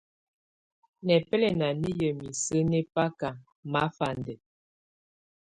Nɛbɛlɛna nɛ̀ yamɛ̀́á isǝ́ nɛ̀ baka mafandɛ.